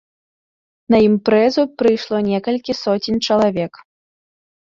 На імпрэзу прыйшло некалькі соцень чалавек.